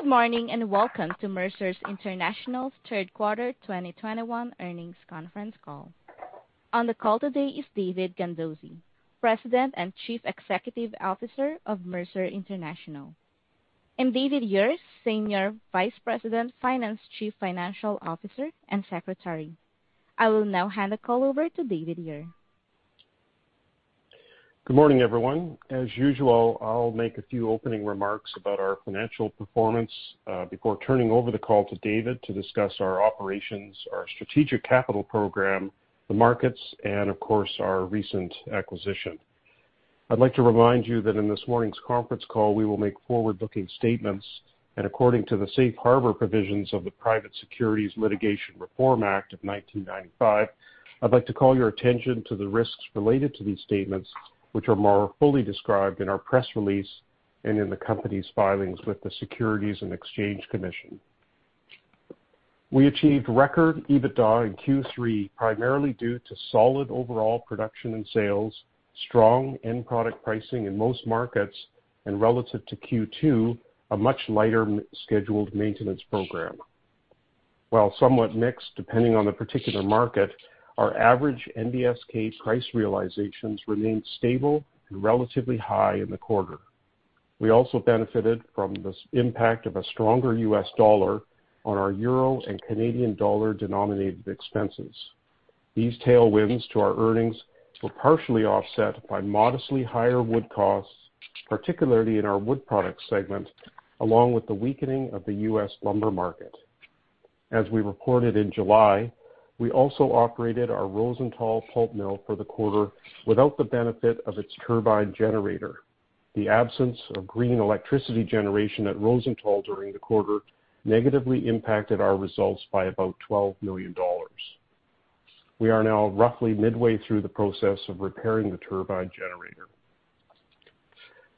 Good morning and welcome to Mercer International's third quarter 2021 earnings conference call. On the call today is David Gandossi, President and Chief Executive Officer of Mercer International. I'm David Ure, Senior Vice President, Finance, Chief Financial Officer, and Secretary. I will now hand the call over to David Ure. Good morning, everyone. As usual, I'll make a few opening remarks about our financial performance before turning over the call to David to discuss our operations, our strategic capital program, the markets, and, of course, our recent acquisition. I'd like to remind you that in this morning's conference call, we will make forward-looking statements, and according to the Safe Harbor provisions of the Private Securities Litigation Reform Act of 1995, I'd like to call your attention to the risks related to these statements, which are more fully described in our press release and in the company's filings with the Securities and Exchange Commission. We achieved record EBITDA in Q3 primarily due to solid overall production and sales, strong end product pricing in most markets, and relative to Q2, a much lighter scheduled maintenance program. While somewhat mixed depending on the particular market, our average NBSK price realizations remained stable and relatively high in the quarter. We also benefited from the impact of a stronger U.S. dollar on our euro and Canadian dollar denominated expenses. These tailwinds to our earnings were partially offset by modestly higher wood costs, particularly in our Wood Products segment, along with the weakening of the US lumber market. As we reported in July, we also operated our Rosenthal pulp mill for the quarter without the benefit of its turbine generator. The absence of green electricity generation at Rosenthal during the quarter negatively impacted our results by about $12 million. We are now roughly midway through the process of repairing the turbine generator.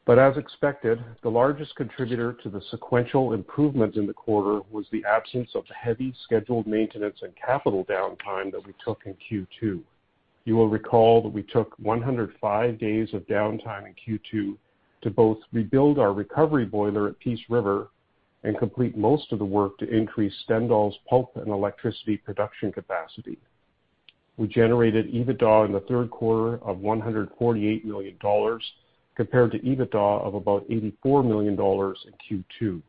But as expected, the largest contributor to the sequential improvement in the quarter was the absence of heavy scheduled maintenance and capital downtime that we took in Q2. You will recall that we took 105 days of downtime in Q2 to both rebuild our recovery boiler at Peace River and complete most of the work to increase Stendal's pulp and electricity production capacity. We generated EBITDA in the third quarter of $148 million, compared to EBITDA of about $84 million in Q2.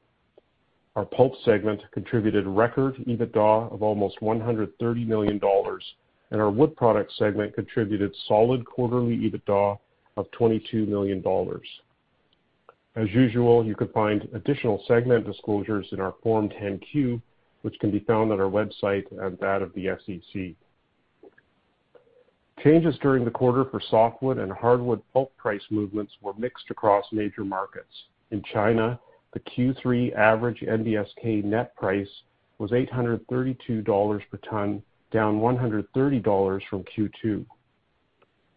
Our Pulp segment contributed record EBITDA of almost $130 million, and our Wood Products segment contributed solid quarterly EBITDA of $22 million. As usual, you can find additional segment disclosures in our Form 10-Q, which can be found on our website and that of the SEC. Changes during the quarter for softwood and hardwood pulp price movements were mixed across major markets. In China, the Q3 average NBSK net price was $832 per ton, down $130 from Q2.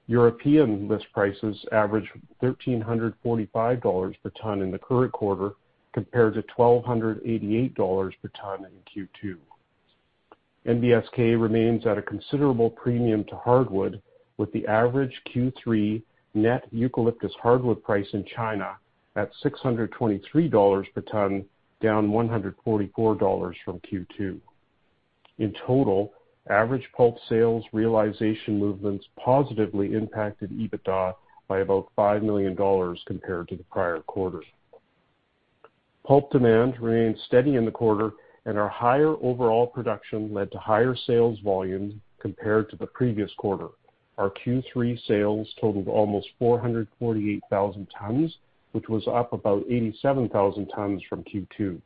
European list prices averaged $1,345 per ton in the current quarter, compared to $1,288 per ton in Q2. NBSK remains at a considerable premium to hardwood, with the average Q3 net eucalyptus hardwood price in China at $623 per ton, down $144 from Q2. In total, average pulp sales realization movements positively impacted EBITDA by about $5 million compared to the prior quarter. Pulp demand remained steady in the quarter, and our higher overall production led to higher sales volumes compared to the previous quarter. Our Q3 sales totaled almost 448,000 tons, which was up about 87,000 tons from Q2.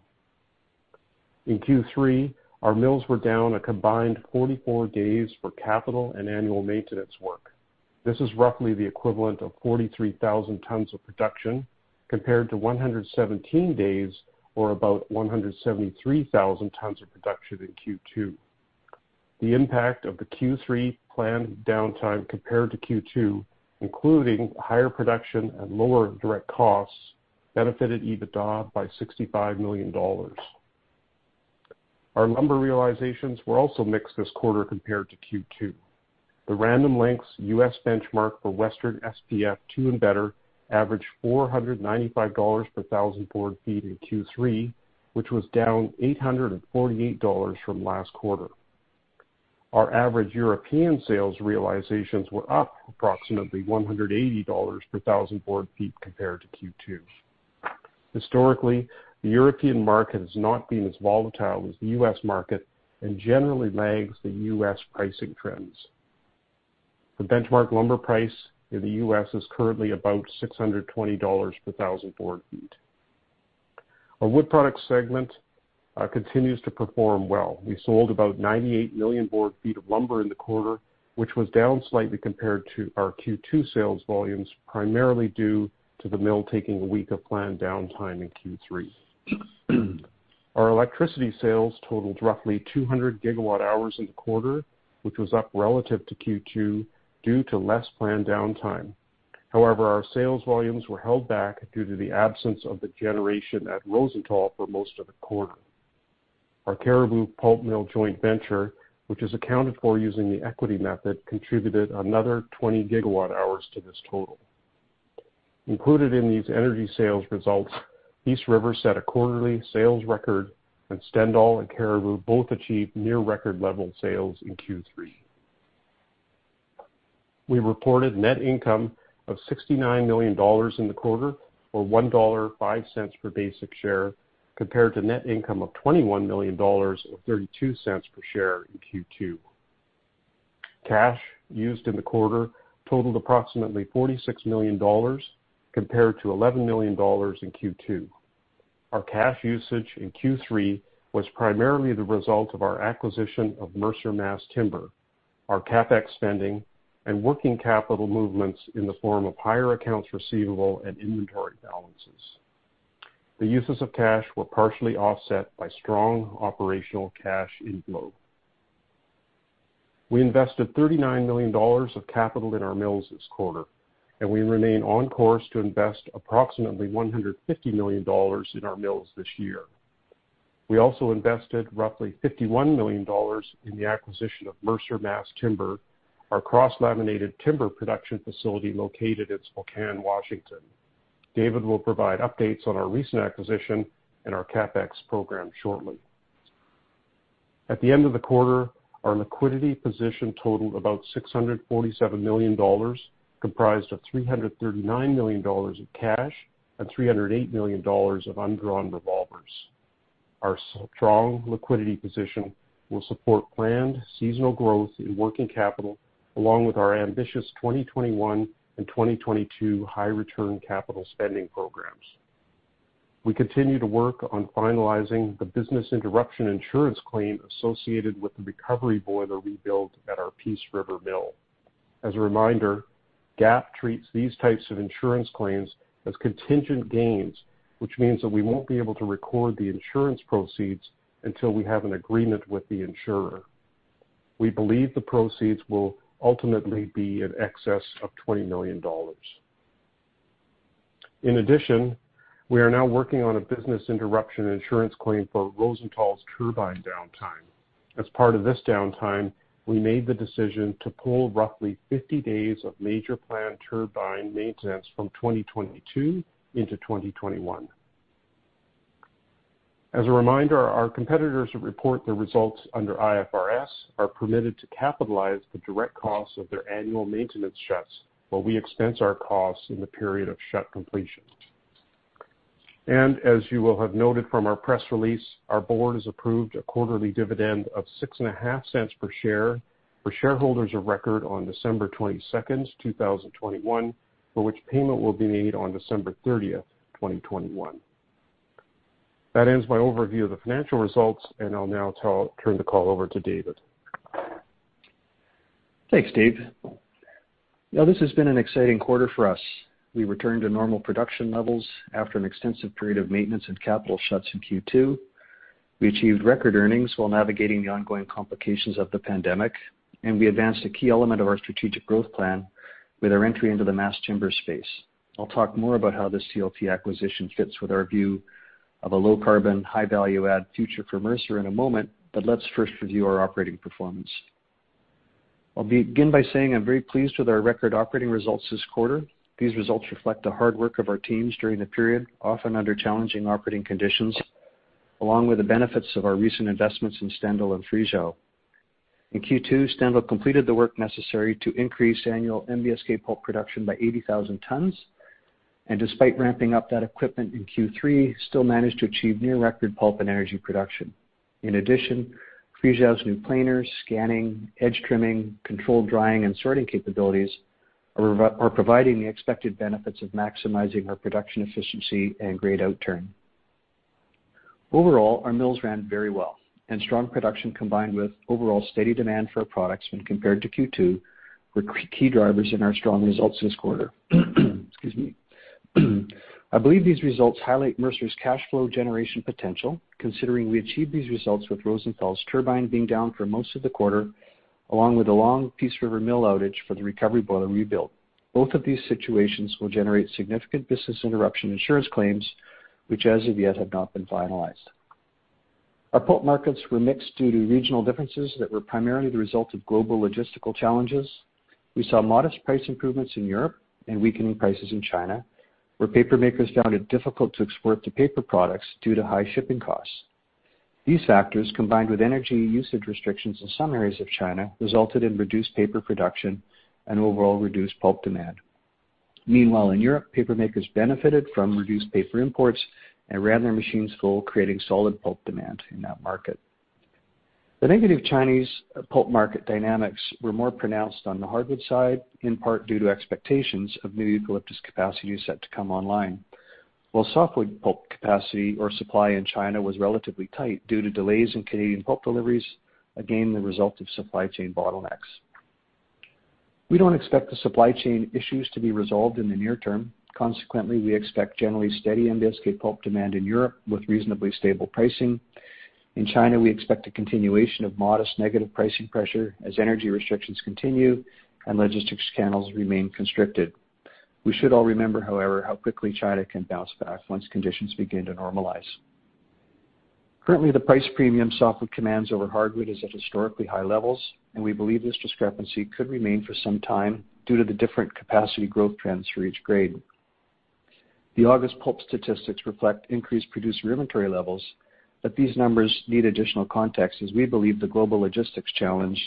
In Q3, our mills were down a combined 44 days for capital and annual maintenance work. This is roughly the equivalent of 43,000 tons of production, compared to 117 days, or about 173,000 tons of production in Q2. The impact of the Q3 planned downtime compared to Q2, including higher production and lower direct costs, benefited EBITDA by $65 million. Our lumber realizations were also mixed this quarter compared to Q2. The Random Lengths US benchmark for Western SPF 2 and better averaged $495 per thousand board feet in Q3, which was down $848 from last quarter. Our average European sales realizations were up approximately $180 per thousand board feet compared to Q2. Historically, the European market has not been as volatile as the US market and generally lags the US pricing trends. The benchmark lumber price in the US is currently about $620 per thousand board feet. Our Wood Products segmentcontinues to perform well. We sold about 98 million board feet of lumber in the quarter, which was down slightly compared to our Q2 sales volumes, primarily due to the mill taking a week of planned downtime in Q3. Our electricity sales totaled roughly 200 gigawatt hours in the quarter, which was up relative to Q2 due to less planned downtime. However, our sales volumes were held back due to the absence of the generation at Rosenthal for most of the quarter. Our Cariboo Pulp Mill Joint Venture, which is accounted for using the equity method, contributed another 20 gigawatt hours to this total. Included in these energy sales results, Peace River set a quarterly sales record, and Stendal and Cariboo both achieved near-record level sales in Q3. We reported net income of $69 million in the quarter, or $1.05 per basic share, compared to net income of $21 million or $0.32 per share in Q2. Cash used in the quarter totaled approximately $46 million, compared to $11 million in Q2. Our cash usage in Q3 was primarily the result of our acquisition of Mercer Mass Timber, our CapEx spending, and working capital movements in the form of higher accounts receivable and inventory balances. The uses of cash were partially offset by strong operational cash inflow. We invested $39 million of capital in our mills this quarter, and we remain on course to invest approximately $150 million in our mills this year. We also invested roughly $51 million in the acquisition of Mercer Mass Timber, our cross-laminated timber production facility located in Spokane, Washington. David will provide updates on our recent acquisition and our CapEx program shortly. At the end of the quarter, our liquidity position totaled about $647 million, comprised of $339 million in cash and $308 million of undrawn revolvers. Our strong liquidity position will support planned seasonal growth in working capital, along with our ambitious 2021 and 2022 high-return capital spending programs. We continue to work on finalizing the business interruption insurance claim associated with the recovery boiler rebuild at our Peace River mill. As a reminder, GAAP treats these types of insurance claims as contingent gains, which means that we won't be able to record the insurance proceeds until we have an agreement with the insurer. We believe the proceeds will ultimately be in excess of $20 million. In addition, we are now working on a business interruption insurance claim for Rosenthal's turbine downtime. As part of this downtime, we made the decision to pull roughly 50 days of major planned turbine maintenance from 2022 into 2021. As a reminder, our competitors who report their results under IFRS are permitted to capitalize the direct costs of their annual maintenance shuts, while we expense our costs in the period of shut completion. And as you will have noted from our press release, our board has approved a quarterly dividend of $0.65 per share for shareholders of record on December 22, 2021, for which payment will be made on December 30, 2021. That ends my overview of the financial results, and I'll now turn the call over to David. Thanks, Dave. Now, this has been an exciting quarter for us. We returned to normal production levels after an extensive period of maintenance and capital shuts in Q2. We achieved record earnings while navigating the ongoing complications of the pandemic, and we advanced a key element of our strategic growth plan with our entry into the mass timber space. I'll talk more about how this CLT acquisition fits with our view of a low carbon, high value add future for Mercer in a moment, but let's first review our operating performance. I'll begin by saying I'm very pleased with our record operating results this quarter. These results reflect the hard work of our teams during the period, often under challenging operating conditions, along with the benefits of our recent investments in Stendal and Friesau. In Q2, Stendal completed the work necessary to increase annual NBSK pulp production by 80,000 tons, and despite ramping up that equipment in Q3, still managed to achieve near-record pulp and energy production. In addition, Friesau's new planers, scanning, edge trimming, controlled drying, and sorting capabilities are providing the expected benefits of maximizing our production efficiency and grade outturn. Overall, our mills ran very well, and strong production combined with overall steady demand for products when compared to Q2 were key drivers in our strong results this quarter. I believe these results highlight Mercer's cash flow generation potential, considering we achieved these results with Rosenthal's turbine being down for most of the quarter, along with a long Peace River mill outage for the recovery boiler rebuild. Both of these situations will generate significant business interruption insurance claims, which as of yet have not been finalized. Our pulp markets were mixed due to regional differences that were primarily the result of global logistical challenges. We saw modest price improvements in Europe and weakening prices in China, where paper makers found it difficult to export the paper products due to high shipping costs. These factors, combined with energy usage restrictions in some areas of China, resulted in reduced paper production and overall reduced pulp demand. Meanwhile, in Europe, paper makers benefited from reduced paper imports and ran their machines full, creating solid pulp demand in that market. The negative Chinese pulp market dynamics were more pronounced on the hardwood side, in part due to expectations of new eucalyptus capacity set to come online, while softwood pulp capacity or supply in China was relatively tight due to delays in Canadian pulp deliveries, again, the result of supply chain bottlenecks. We don't expect the supply chain issues to be resolved in the near term. Consequently, we expect generally steady NBSK pulp demand in Europe with reasonably stable pricing. In China, we expect a continuation of modest negative pricing pressure as energy restrictions continue and logistics channels remain constricted. We should all remember, however, how quickly China can bounce back once conditions begin to normalize. Currently, the price premium softwood commands over hardwood is at historically high levels, and we believe this discrepancy could remain for some time due to the different capacity growth trends for each grade. The August pulp statistics reflect increased producer inventory levels, but these numbers need additional context as we believe the global logistics challenges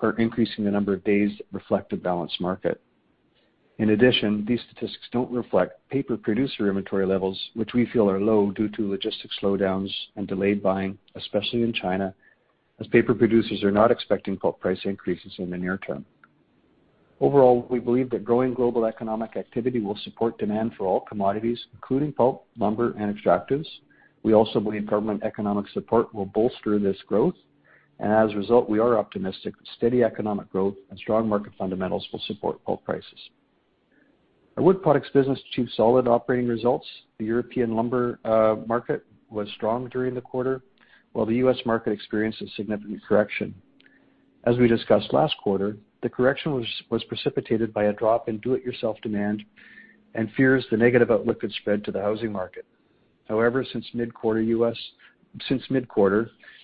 are increasing the number of days reflect a balanced market. In addition, these statistics don't reflect paper producer inventory levels, which we feel are low due to logistics slowdowns and delayed buying, especially in China, as paper producers are not expecting pulp price increases in the near term. Overall, we believe that growing global economic activity will support demand for all commodities, including pulp, lumber, and extractives. We also believe government economic support will bolster this growth, and as a result, we are optimistic that steady economic growth and strong market fundamentals will support pulp prices. Our wood products business achieved solid operating results. The European lumber market was strong during the quarter, while the U.S. market experienced a significant correction. As we discussed last quarter, the correction was precipitated by a drop in do-it-yourself demand and fears the negative outlook could spread to the housing market. However, since mid-quarter,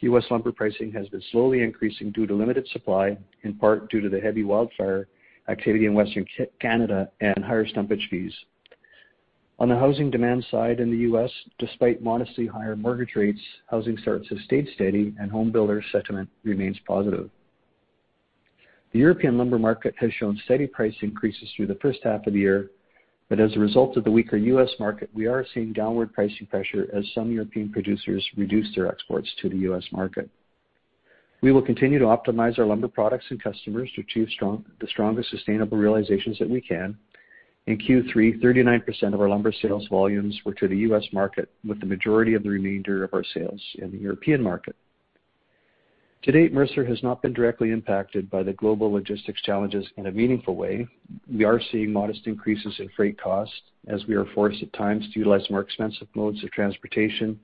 U.S. lumber pricing has been slowly increasing due to limited supply, in part due to the heavy wildfire activity in Western Canada and higher stumpage fees. On the housing demand side in the U.S., despite modestly higher mortgage rates, housing starts have stayed steady and home builder sentiment remains positive. The European lumber market has shown steady price increases through the first half of the year, but as a result of the weaker U.S. market, we are seeing downward pricing pressure as some European producers reduce their exports to the U.S. market. We will continue to optimize our lumber products and customers to achieve the strongest sustainable realizations that we can. In Q3, 39% of our lumber sales volumes were to the U.S. market, with the majority of the remainder of our sales in the European market. To date, Mercer has not been directly impacted by the global logistics challenges in a meaningful way. We are seeing modest increases in freight costs as we are forced at times to utilize more expensive modes of transportation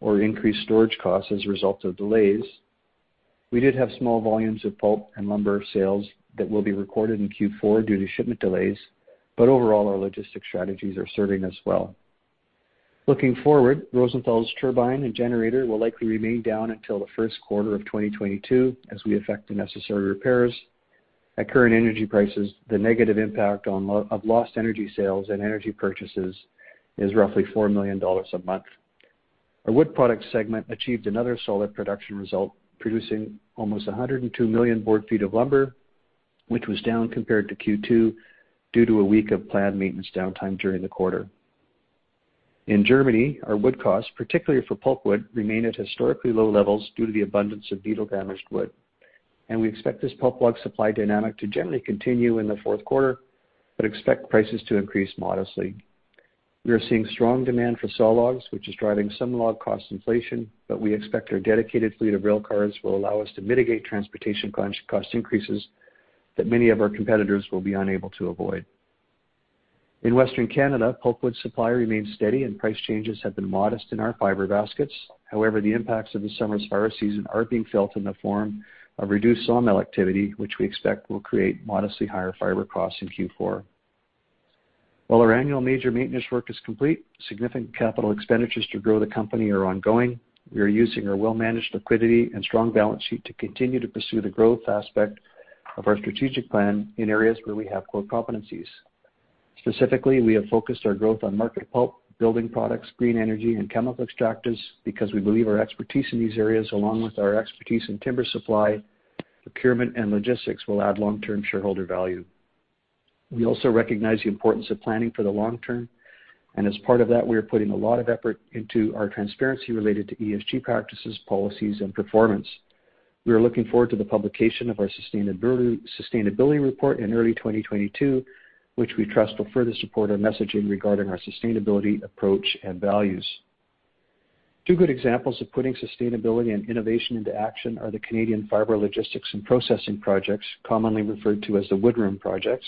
or increased storage costs as a result of delays. We did have small volumes of pulp and lumber sales that will be recorded in Q4 due to shipment delays, but overall, our logistics strategies are serving us well. Looking forward, Rosenthal's turbine and generator will likely remain down until the first quarter of 2022 as we affect the necessary repairs. At current energy prices, the negative impact of lost energy sales and energy purchases is roughly $4 million a month. Our wood product segment achieved another solid production result, producing almost 102 million board feet of lumber, which was down compared to Q2 due to a week of planned maintenance downtime during the quarter. In Germany, our wood costs, particularly for pulpwood, remain at historically low levels due to the abundance of needle-damaged wood, and we expect this pulp log supply dynamic to generally continue in the fourth quarter, but expect prices to increase modestly. We are seeing strong demand for saw logs, which is driving some log cost inflation, but we expect our dedicated fleet of railcars will allow us to mitigate transportation cost increases that many of our competitors will be unable to avoid. In Western Canada, pulpwood supply remains steady and price changes have been modest in our fiber baskets. However, the impacts of the summer fire season are being felt in the form of reduced sawmill activity, which we expect will create modestly higher fiber costs in Q4. While our annual major maintenance work is complete, significant capital expenditures to grow the company are ongoing. We are using our well-managed liquidity and strong balance sheet to continue to pursue the growth aspect of our strategic plan in areas where we have core competencies. Specifically, we have focused our growth on market pulp, building products, green energy, and chemical extractors because we believe our expertise in these areas, along with our expertise in timber supply, procurement, and logistics, will add long-term shareholder value. We also recognize the importance of planning for the long term, and as part of that, we are putting a lot of effort into our transparency related to ESG practices, policies, and performance. We are looking forward to the publication of our sustainability report in early 2022, which we trust will further support our messaging regarding our sustainability approach and values. Two good examples of putting sustainability and innovation into action are the Canadian fiber logistics and processing projects, commonly referred to as the Wood Room projects.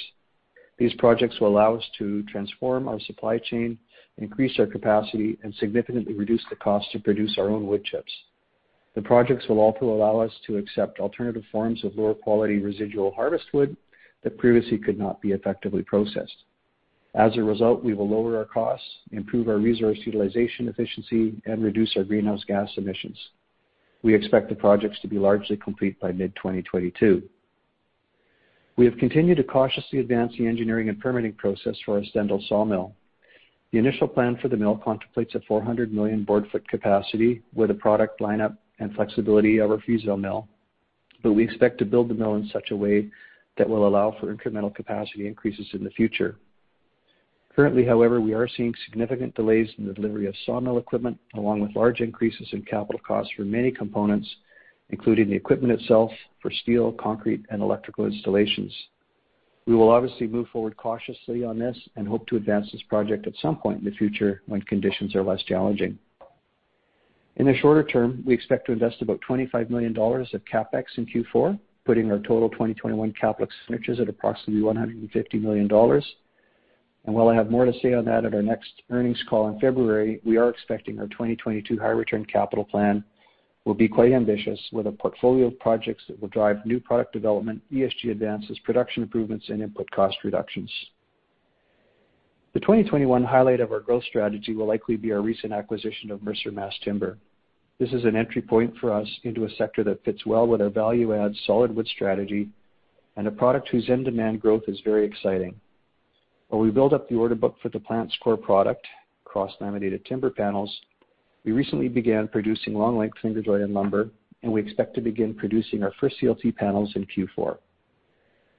These projects will allow us to transform our supply chain, increase our capacity, and significantly reduce the cost to produce our own wood chips. The projects will also allow us to accept alternative forms of lower quality residual harvest wood that previously could not be effectively processed. As a result, we will lower our costs, improve our resource utilization efficiency, and reduce our greenhouse gas emissions. We expect the projects to be largely complete by mid-2022. We have continued to cautiously advance the engineering and permitting process for our Stendal sawmill. The initial plan for the mill contemplates a 400 million board foot capacity with a product lineup and flexibility of our Friesau mill, but we expect to build the mill in such a way that will allow for incremental capacity increases in the future. Currently, however, we are seeing significant delays in the delivery of sawmill equipment, along with large increases in capital costs for many components, including the equipment itself for steel, concrete, and electrical installations. We will obviously move forward cautiously on this and hope to advance this project at some point in the future when conditions are less challenging. In the shorter term, we expect to invest about $25 million of CapEx in Q4, putting our total 2021 CapEx signatures at approximately $150 million. While I have more to say on that at our next earnings call in February, we are expecting our 2022 high return capital plan will be quite ambitious with a portfolio of projects that will drive new product development, ESG advances, production improvements, and input cost reductions. The 2021 highlight of our growth strategy will likely be our recent acquisition of Mercer Mass Timber. This is an entry point for us into a sector that fits well with our value add solid wood strategy and a product whose end demand growth is very exciting. While we build up the order book for the plant's core product, cross-laminated timber panels, we recently began producing long-length finger-jointed lumber, and we expect to begin producing our first CLT panels in Q4.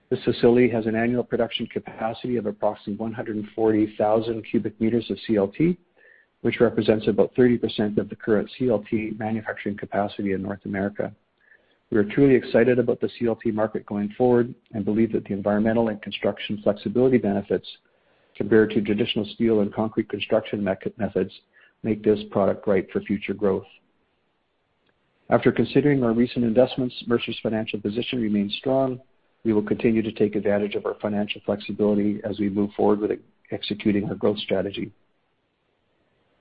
This facility has an annual production capacity of approximately 140,000 cubic meters of CLT, which represents about 30% of the current CLT manufacturing capacity in North America. We are truly excited about the CLT market going forward and believe that the environmental and construction flexibility benefits compared to traditional steel and concrete construction methods make this product right for future growth. After considering our recent investments, Mercer's financial position remains strong. We will continue to take advantage of our financial flexibility as we move forward with executing our growth strategy.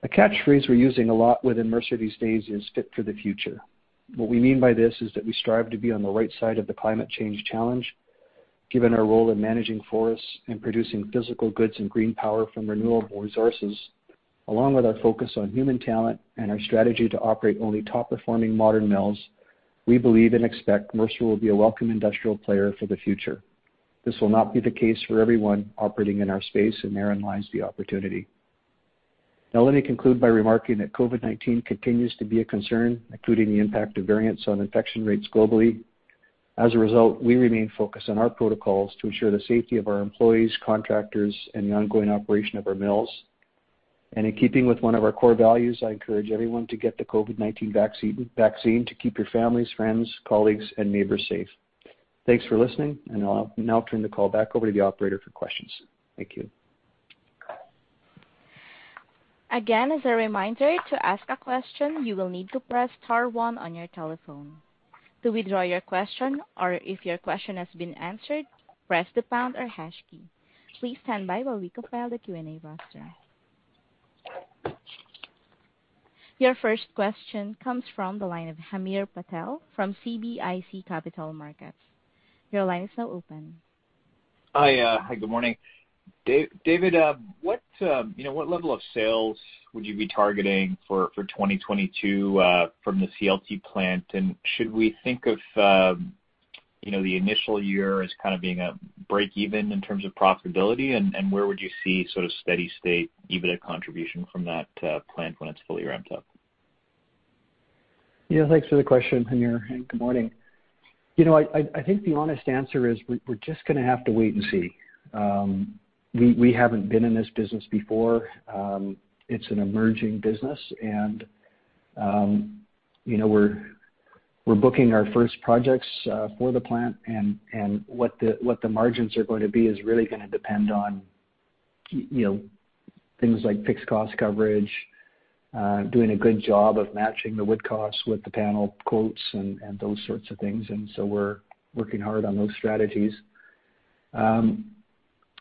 A catchphrase we're using a lot within Mercer these days is "Fit for the Future." What we mean by this is that we strive to be on the right side of the climate change challenge, given our role in managing forests and producing physical goods and green power from renewable resources. Along with our focus on human talent and our strategy to operate only top performing modern mills, we believe and expect Mercer will be a welcome industrial player for the future. This will not be the case for everyone operating in our space, and therein lies the opportunity. Now, let me conclude by remarking that COVID-19 continues to be a concern, including the impact of variants on infection rates globally. As a result, we remain focused on our protocols to ensure the safety of our employees, contractors, and the ongoing operation of our mills. And in keeping with one of our core values, I encourage everyone to get the COVID-19 vaccine to keep your families, friends, colleagues, and neighbors safe. Thanks for listening, and I'll now turn the call back over to the operator for questions. Thank you. Again, as a reminder, to ask a question, you will need to press star one on your telephone. To withdraw your question or if your question has been answered, press the pound or hash key. Please stand by while we compile the Q&A roster. Your first question comes from the line of Hamir Patel from CIBC Capital Markets. Your line is now open. Hi, good morning. David, what level of sales would you be targeting for 2022 from the CLT plant? And should we think of the initial year as kind of being a break-even in terms of profitability, and where would you see sort of steady-state EBITDA contribution from that plant when it's fully ramped up? Yeah, thanks for the question, Hamir. Good morning. I think the honest answer is we're just going to have to wait and see. We haven't been in this business before. It's an emerging business, and we're booking our first projects for the plant, and what the margins are going to be is really going to depend on things like fixed cost coverage, doing a good job of matching the wood costs with the panel quotes and those sorts of things. And so we're working hard on those strategies.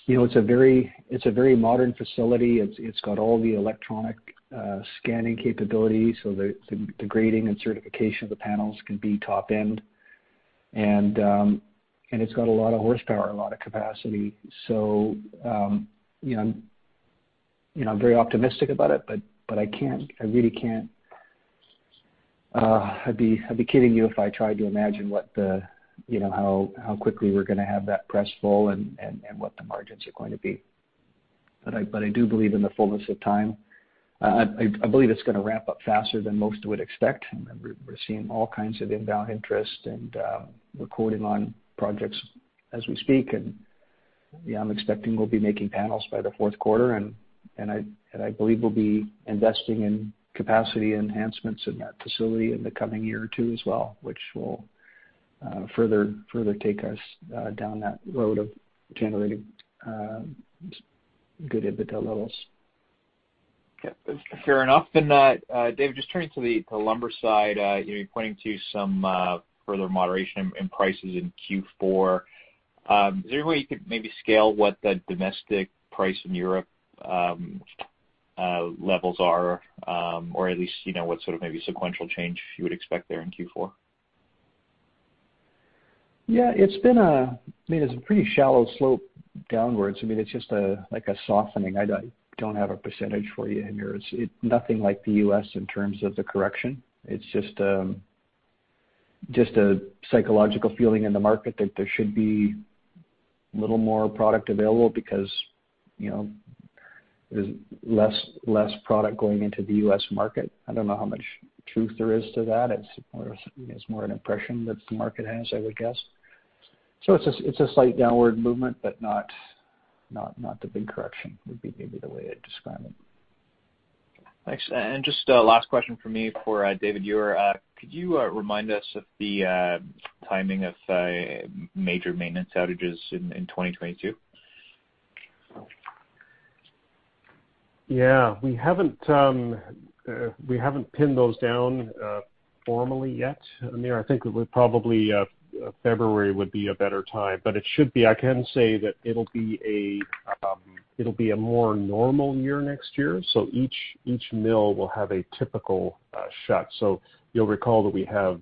It's a very modern facility. It's got all the electronic scanning capabilities so the grading and certification of the panels can be top-end, and it's got a lot of horsepower, a lot of capacity. So I'm very optimistic about it, but I really can't. I'd be kidding you if I tried to imagine how quickly we're going to have that press full and what the margins are going to be. But I do believe in the fullness of time. I believe it's going to ramp up faster than most would expect. We're seeing all kinds of inbound interest and recording on projects as we speak. And yeah, I'm expecting we'll be making panels by the fourth quarter, and I believe we'll be investing in capacity enhancements in that facility in the coming year or two as well, which will further take us down that road of generating good EBITDA levels. Fair enough. Then, David, just turning to the lumber side, you're pointing to some further moderation in prices in Q4. Is there any way you could maybe scale what the domestic price in Europe levels are, or at least what sort of maybe sequential change you would expect there in Q4? Yeah, it's been a pretty shallow slope downwards. I mean, it's just like a softening. I don't have a percentage for you, Hamir. It's nothing like the U.S. in terms of the correction. It's just a psychological feeling in the market that there should be a little more product available because there's less product going into the U.S. market. I don't know how much truth there is to that. It's more an impression that the market has, I would guess. So it's a slight downward movement, but not the big correction. Would be maybe the way I'd describe it. Thanks. And just last question for me, for David, could you remind us of the timing of major maintenance outages in 2022? Yeah, we haven't pinned those down formally yet. I mean, I think probably February would be a better time, but it should be. I can say that it'll be a more normal year next year. So each mill will have a typical shut. So you'll recall that we have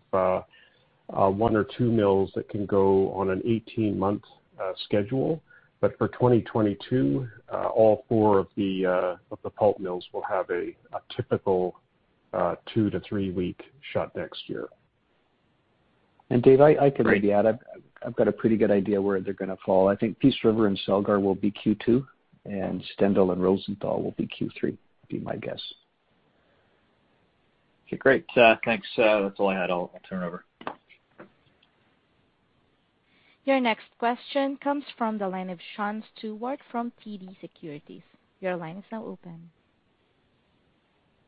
one or two mills that can go on an 18-month schedule, but for 2022, all four of the pulp mills will have a typical two to three-week shut next year. And David, I can maybe add, I've got a pretty good idea where they're going to fall. I think Peace River and Celgar will be Q2, and Stendal and Rosenthal will be Q3, would be my guess. Okay, great. Thanks. That's all I had. I'll turn it over. Your next question comes from the line of Sean Steuart from TD Securities. Your line is now open.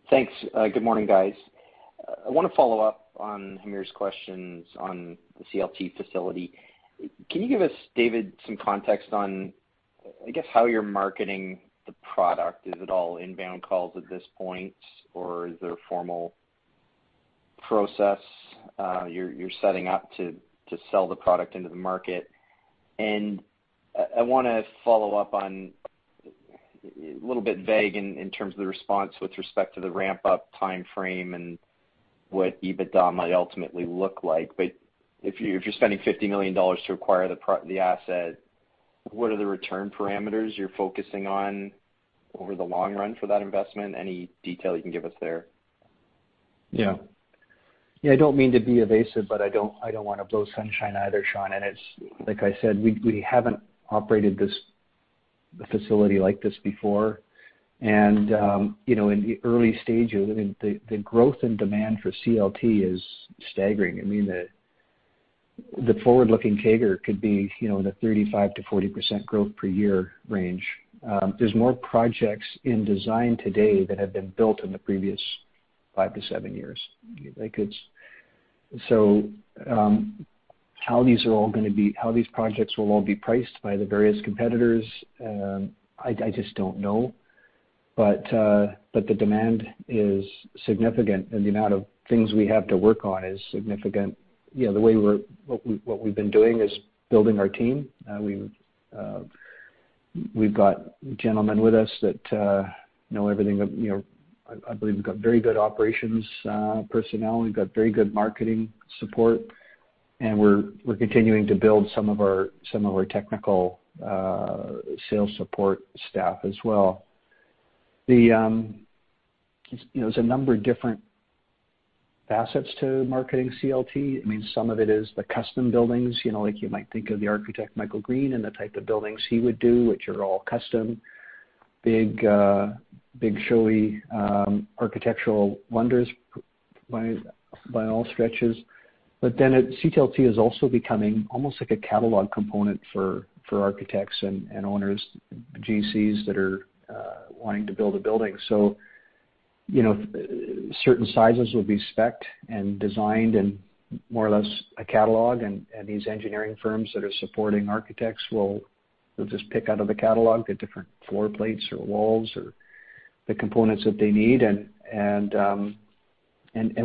Thanks. Good morning, guys. I want to follow up on Hamir's questions on the CLT facility. Can you give us, David, some context on, I guess, how you're marketing the product? Is it all inbound calls at this point, or is there a formal process you're setting up to sell the product into the market? And I want to follow up on a little bit vague in terms of the response with respect to the ramp-up timeframe and what EBITDA might ultimately look like. But if you're spending $50 million to acquire the asset, what are the return parameters you're focusing on over the long run for that investment? Any detail you can give us there? Yeah. Yeah, I don't mean to be evasive, but I don't want to blow sunshine either, Sean. And like I said, we haven't operated this facility like this before. And in the early stages, the growth and demand for CLT is staggering. I mean, the forward-looking CAGR could be in the 35%-40% growth per year range. There's more projects in design today that have been built in the previous five to seven years. So how these are all going to be, how these projects will all be priced by the various competitors, I just don't know. But the demand is significant, and the amount of things we have to work on is significant. The way we're, what we've been doing is building our team. We've got gentlemen with us that know everything. I believe we've got very good operations personnel. We've got very good marketing support, and we're continuing to build some of our technical sales support staff as well. There's a number of different assets to marketing CLT. I mean, some of it is the custom buildings. You might think of the architect Michael Green and the type of buildings he would do, which are all custom, big showy architectural wonders by all stretches. CLT is also becoming almost like a catalog component for architects and owners, GCs that are wanting to build a building. So certain sizes will be specced and designed and more or less a catalog, and these engineering firms that are supporting architects will just pick out of the catalog the different floor plates or walls or the components that they need. And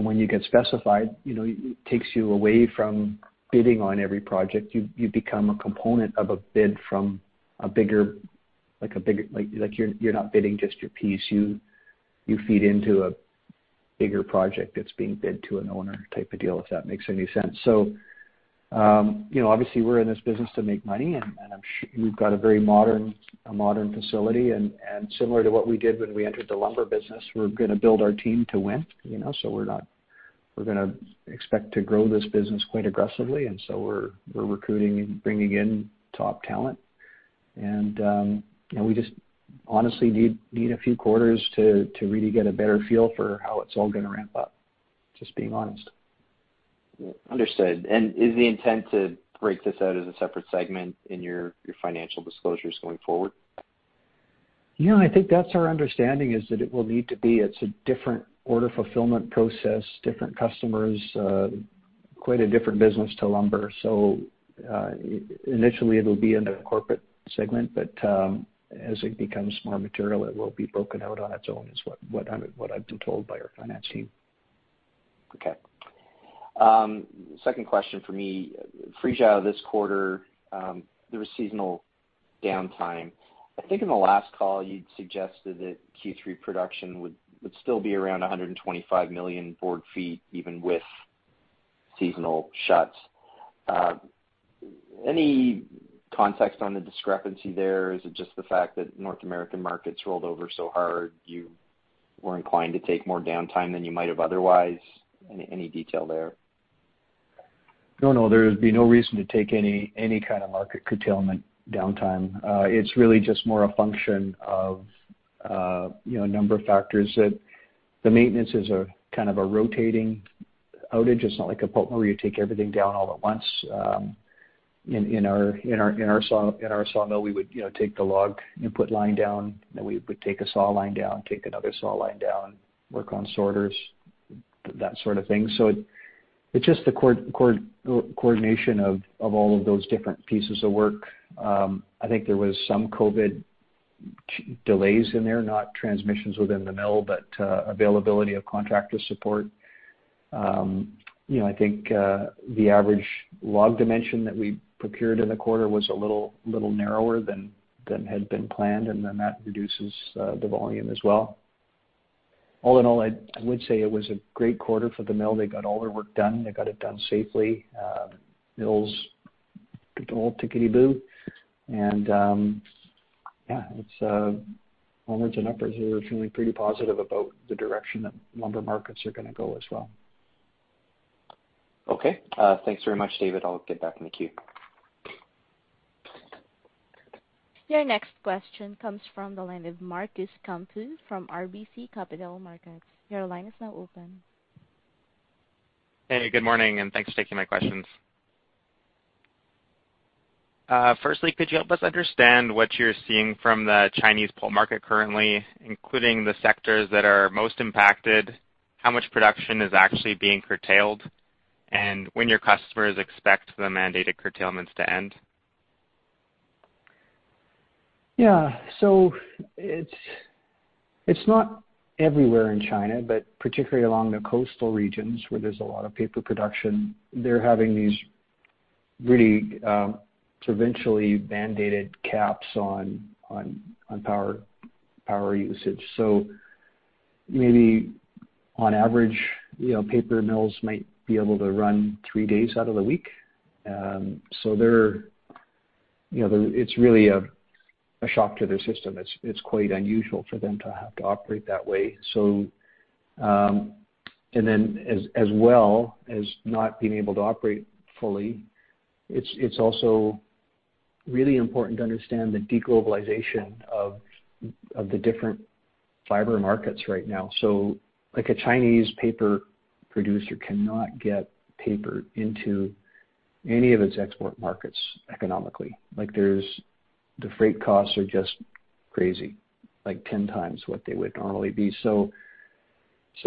when you get specified, it takes you away from bidding on every project. You become a component of a bid from a bigger, like you're not bidding just your piece. You feed into a bigger project that's being bid to an owner type of deal, if that makes any sense. So obviously, we're in this business to make money, and we've got a very modern facility. And similar to what we did when we entered the lumber business, we're going to build our team to win. So we're going to expect to grow this business quite aggressively. And so we're recruiting and bringing in top talent. And we just honestly need a few quarters to really get a better feel for how it's all going to ramp up, just being honest. Understood. And is the intent to break this out as a separate segment in your financial disclosures going forward? Yeah, I think that's our understanding, is that it will need to be, it's a different order fulfillment process, different customers, quite a different business to lumber. So initially, it'll be in the corporate segment, but as it becomes more material, it will be broken out on its own, is what I've been told by our finance team. Okay. Second question for me. Friesau out of this quarter, there was seasonal downtime. I think in the last call, you'd suggested that Q3 production would still be around 125 million board feet, even with seasonal shuts. Any context on the discrepancy there? Is it just the fact that North American markets rolled over so hard you were inclined to take more downtime than you might have otherwise? Any detail there? No, no. There would be no reason to take any kind of market curtailment downtime. It's really just more a function of a number of factors that the maintenance is a kind of a rotating outage. It's not like a pulp mill where you take everything down all at once. In our saw mill, we would take the log input line down, and then we would take a saw line down, take another saw line down, work on sorters, that sort of thing. It's just the coordination of all of those different pieces of work. I think there were some COVID delays in there, not transmissions within the mill, but availability of contractor support. I think the average log dimension that we procured in the quarter was a little narrower than had been planned, and then that reduces the volume as well. All in all, I would say it was a great quarter for the mill. They got all their work done. They got it done safely. Mills took the whole tickety-boo. And yeah, it's all words and numbers. We were feeling pretty positive about the direction that lumber markets are going to go as well. Okay. Thanks very much, David. I'll get back in the queue. Your next question comes from the line of Marcus Campeau from RBC Capital Markets. Your line is now open. Hey, good morning, and thanks for taking my questions. Firstly, could you help us understand what you're seeing from the Chinese pulp market currently, including the sectors that are most impacted? How much production is actually being curtailed? And when your customers expect the mandated curtailments to end? Yeah. So it's not everywhere in China, but particularly along the coastal regions where there's a lot of paper production, they're having these really provincially mandated caps on power usage. So maybe on average, paper mills might be able to run three days out of the week. So it's really a shock to their system. It's quite unusual for them to have to operate that way. And then as well as not being able to operate fully, it's also really important to understand the deglobalization of the different fiber markets right now. So a Chinese paper producer cannot get paper into any of its export markets economically. The freight costs are just crazy, like 10 times what they would normally be. So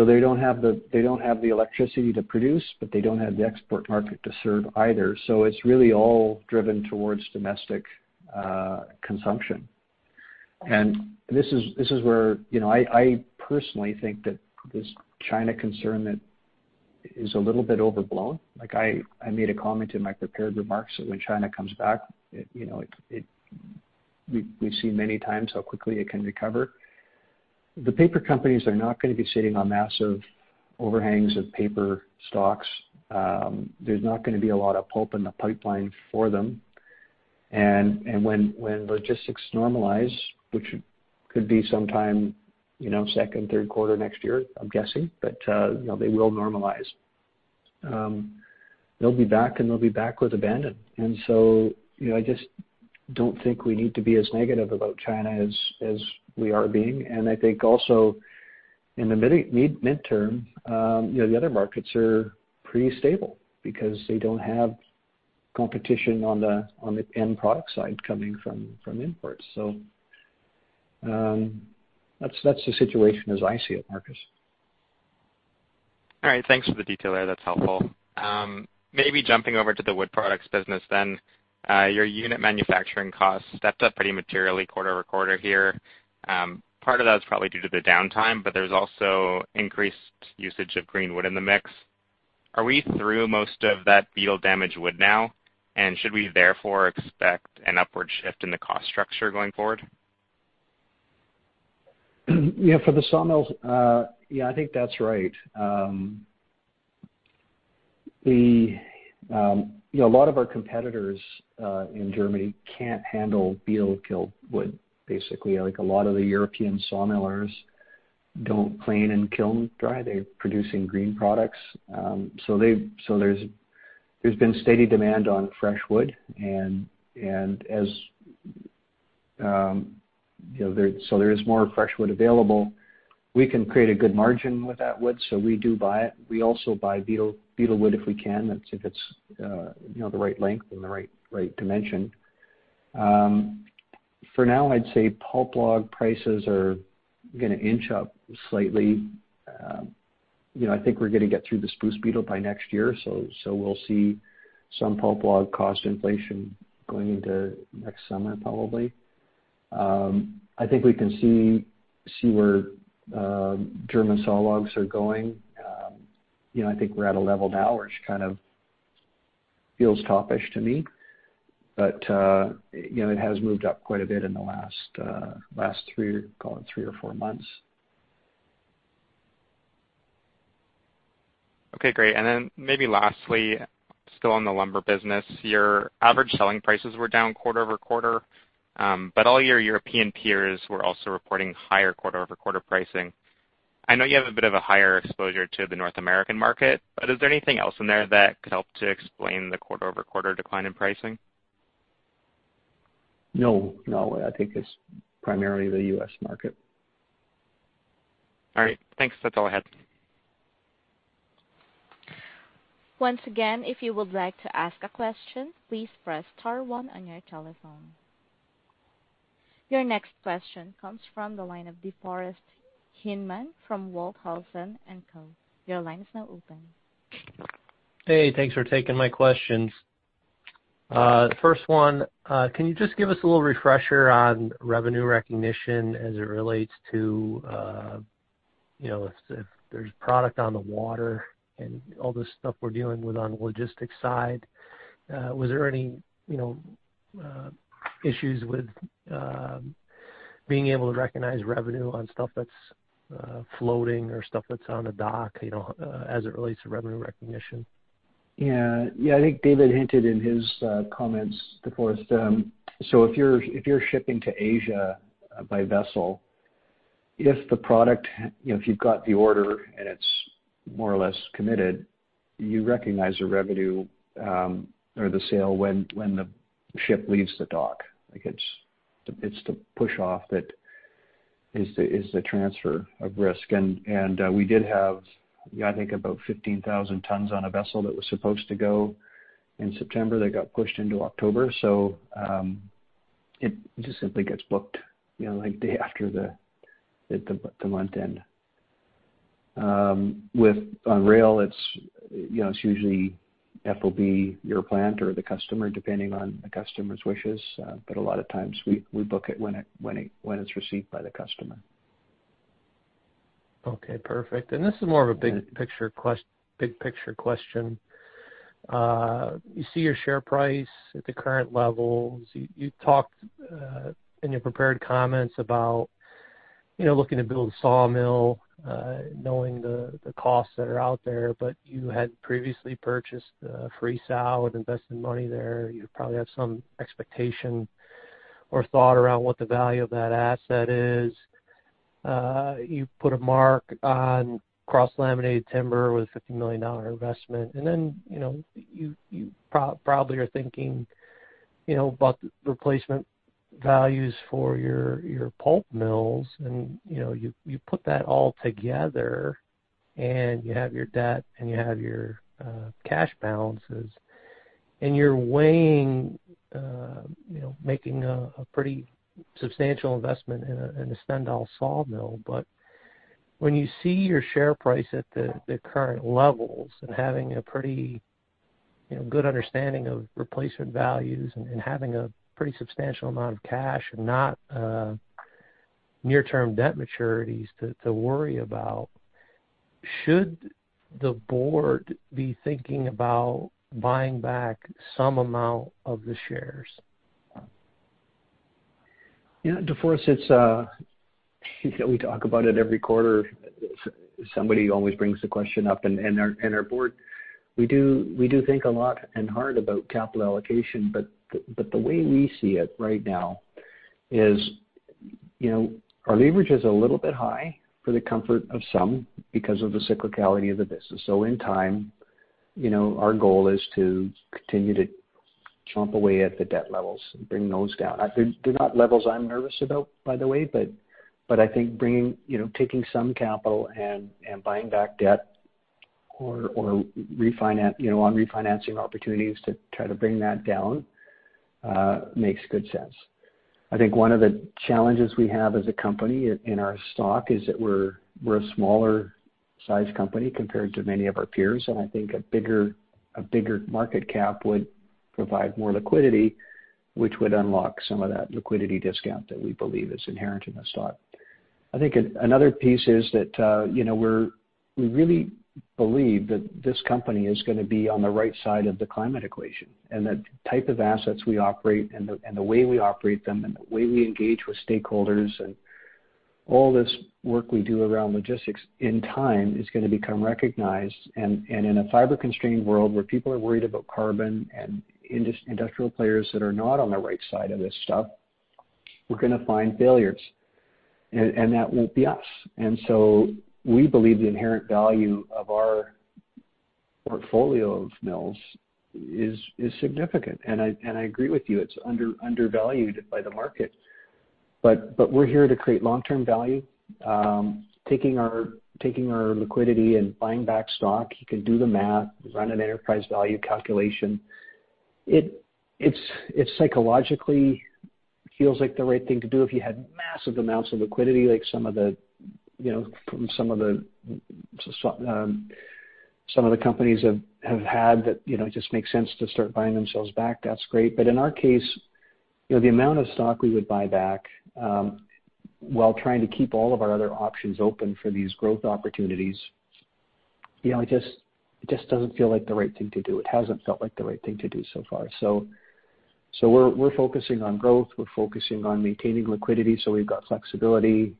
they don't have the electricity to produce, but they don't have the export market to serve either. So it's really all driven towards domestic consumption. And this is where I personally think that this China concern is a little bit overblown. I made a comment in my prepared remarks that when China comes back, we've seen many times how quickly it can recover. The paper companies are not going to be sitting on massive overhangs of paper stocks. There's not going to be a lot of pulp in the pipeline for them. And when logistics normalize, which could be sometime second, third quarter next year, I'm guessing, but they will normalize. They'll be back, and they'll be back with abandon. And so I just don't think we need to be as negative about China as we are being. And I think also in the midterm, the other markets are pretty stable because they don't have competition on the end product side coming from imports. So that's the situation as I see it, Marcus. All right. Thanks for the detail there. That's helpful. Maybe jumping over to the wood products business then. Your unit manufacturing costs stepped up pretty materially quarter over quarter here. Part of that is probably due to the downtime, but there's also increased usage of green wood in the mix. Are we through most of that beetle-damaged wood now? And should we therefore expect an upward shift in the cost structure going forward? Yeah, for the saw mills, yeah, I think that's right. A lot of our competitors in Germany can't handle beetle-killed wood, basically. A lot of the European saw millers don't plane and kiln dry. They're producing green products. So there's been steady demand on fresh wood. And so there is more fresh wood available. We can create a good margin with that wood, so we do buy it. We also buy beetle wood if we can, if it's the right length and the right dimension. For now, I'd say pulp log prices are going to inch up slightly. I think we're going to get through the spruce beetle by next year. So we'll see some pulp log cost inflation going into next summer, probably. I think we can see where German saw logs are going. I think we're at a level now, which kind of feels toppish to me. But it has moved up quite a bit in the last, call it, three or four months. Okay, great. And then maybe lastly, still on the lumber business, your average selling prices were down quarter over quarter, but all your European peers were also reporting higher quarter over quarter pricing. I know you have a bit of a higher exposure to the North American market, but is there anything else in there that could help to explain the quarter over quarter decline in pricing? No, not really. I think it's primarily the US market. All right. Thanks. That's all I had. Once again, if you would like to ask a question, please press star one on your telephone. Your next question comes from the line of DeForest Hinman from Walthausen & Co. Your line is now open. Hey, thanks for taking my questions. First one, can you just give us a little refresher on revenue recognition as it relates to if there's product on the water and all this stuff we're dealing with on the logistics side? Was there any issues with being able to recognize revenue on stuff that's floating or stuff that's on the dock as it relates to revenue recognition? Yeah. Yeah, I think David hinted in his comments, DeForest. So if you're shipping to Asia by vessel, if the product, if you've got the order and it's more or less committed, you recognize the revenue or the sale when the ship leaves the dock. It's the push-off that is the transfer of risk. And we did have, I think, about 15,000 tons on a vessel that was supposed to go in September that got pushed into October. So it just simply gets booked the day after the month end. With rail, it's usually FOB, your plant, or the customer, depending on the customer's wishes. But a lot of times, we book it when it's received by the customer. Okay, perfect. And this is more of a big-picture question. You see your share price at the current levels. You talked in your prepared comments about looking to build a sawmill, knowing the costs that are out there, but you had previously purchased Friesau and invested money there. You probably have some expectation or thought around what the value of that asset is. You put a mark on cross-laminated timber with a $50 million investment. And then you probably are thinking about the replacement values for your pulp mills. And you put that all together, and you have your debt, and you have your cash balances. And you're weighing making a pretty substantial investment in a Stendal sawmill. But when you see your share price at the current levels and having a pretty good understanding of replacement values and having a pretty substantial amount of cash and not near-term debt maturities to worry about, should the board be thinking about buying back some amount of the shares? Yeah, DeForest, we talk about it every quarter. Somebody always brings the question up. And our board, we do think a lot and hard about capital allocation. But the way we see it right now is our leverage is a little bit high for the comfort of some because of the cyclicality of the business. So in time, our goal is to continue to chomp away at the debt levels and bring those down. They're not levels I'm nervous about, by the way, but I think taking some capital and buying back debt or on refinancing opportunities to try to bring that down makes good sense. I think one of the challenges we have as a company in our stock is that we're a smaller-sized company compared to many of our peers. And I think a bigger market cap would provide more liquidity, which would unlock some of that liquidity discount that we believe is inherent in the stock. I think another piece is that we really believe that this company is going to be on the right side of the climate equation. And the type of assets we operate and the way we operate them and the way we engage with stakeholders and all this work we do around logistics in time is going to become recognized. And in a fiber-constrained world where people are worried about carbon and industrial players that are not on the right side of this stuff, we're going to find failures. And that won't be us. And so we believe the inherent value of our portfolio of mills is significant. And I agree with you. It's undervalued by the market. But we're here to create long-term value. Taking our liquidity and buying back stock, you can do the math, run an enterprise value calculation. It psychologically feels like the right thing to do if you had massive amounts of liquidity like some of the companies have had that it just makes sense to start buying themselves back. That's great. But in our case, the amount of stock we would buy back while trying to keep all of our other options open for these growth opportunities, it just doesn't feel like the right thing to do. It hasn't felt like the right thing to do so far. So we're focusing on growth. We're focusing on maintaining liquidity so we've got flexibility,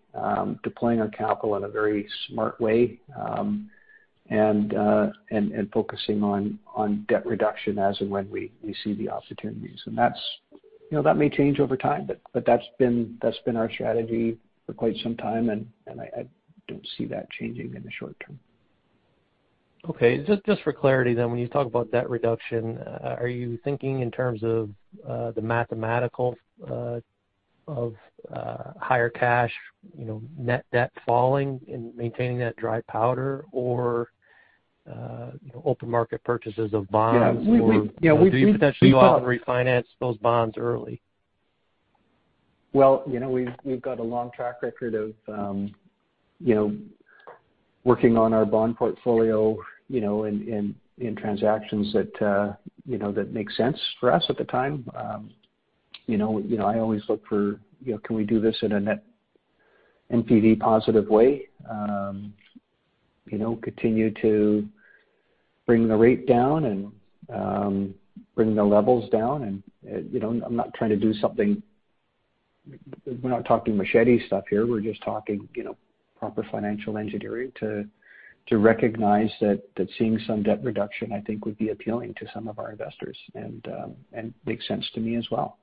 deploying our capital in a very smart way, and focusing on debt reduction as and when we see the opportunities. And that may change over time, but that's been our strategy for quite some time. And I don't see that changing in the short term. Okay. Just for clarity then, when you talk about debt reduction, are you thinking in terms of the mathematical of higher cash, net debt falling and maintaining that dry powder, or open market purchases of bonds? Yeah, we've potentially thought. Do you often refinance those bonds early? Well, we've got a long track record of working on our bond portfolio in transactions that make sense for us at the time. I always look for, can we do this in a net NPV positive way, continue to bring the rate down and bring the levels down. And I'm not trying to do something we're not talking machete stuff here. We're just talking proper financial engineering to recognize that seeing some debt reduction, I think, would be appealing to some of our investors and makes sense to me as well.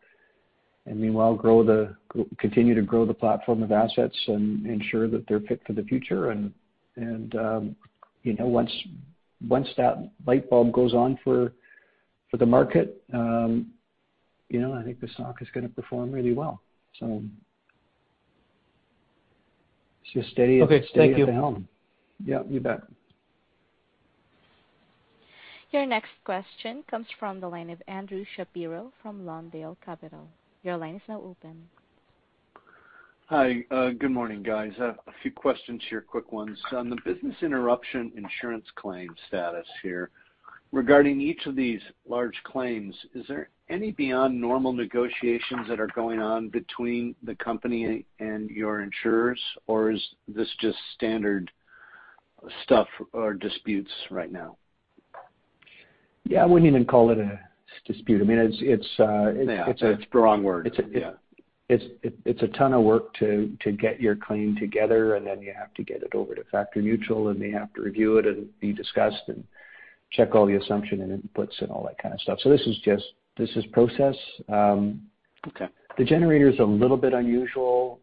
And meanwhile, continue to grow the platform of assets and ensure that they're fit for the future. And once that light bulb goes on for the market, I think the stock is going to perform really well. So it's just steady at the helm. Okay. Thank you. Yeah, you bet. Your next question comes from the line of Andrew Shapiro from Lawndale Capital. Your line is now open. Hi. Good morning, guys. A few questions here, quick ones. On the business interruption insurance claim status here, regarding each of these large claims, is there any beyond normal negotiations that are going on between the company and your insurers, or is this just standard stuff or disputes right now? Yeah, I wouldn't even call it a dispute. I mean, it's a— No, it's the wrong word. It's a ton of work to get your claim together, and then you have to get it over to Factory Mutual, and they have to review it and be discussed and check all the assumption and inputs and all that kind of stuff. So this is process. The generator is a little bit unusual.